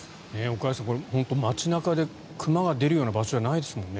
岡安さん、街中で熊が出るような場所じゃないですもんね。